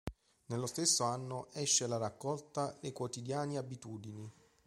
Nello stesso anno esce la raccolta "Le quotidiane abitudini".